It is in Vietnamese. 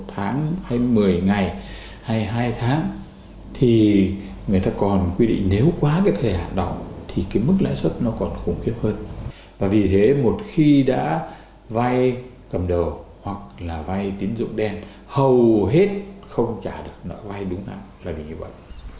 hầu hết không trả được nợ vay đúng nặng là định hiệu ảnh